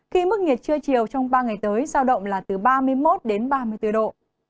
khi mức nhiệt trưa chiều trong ba ngày tới giao động là từ ba mươi một đến ba mươi bốn độ